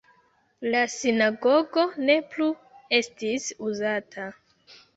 La sinagogo ne plu estis uzata.